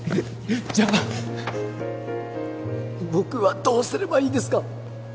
じゃあ僕はどうすればいいですか？